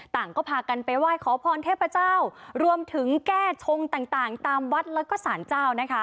ต่างก็พากันไปไหว้ขอพรเทพเจ้ารวมถึงแก้ชงต่างตามวัดแล้วก็สารเจ้านะคะ